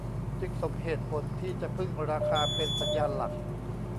จึงสมเหตุผลที่จะพึ่งราคาเป็นสัญญาณหลัก